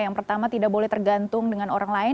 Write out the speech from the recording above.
yang pertama tidak boleh tergantung dengan orang lain